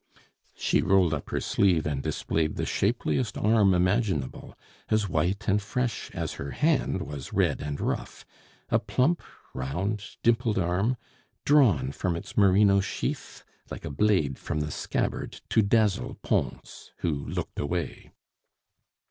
She rolled up her sleeve and displayed the shapeliest arm imaginable, as white and fresh as her hand was red and rough; a plump, round, dimpled arm, drawn from its merino sheath like a blade from the scabbard to dazzle Pons, who looked away.